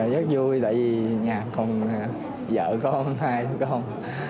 rất vui tại vì nhà của vợ con hai con